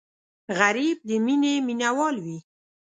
غریب د مینې مینهوال وي